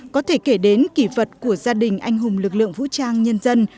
có thể kể đến kỷ vật của gia đình anh hùng lực lượng vũ trang nhân dân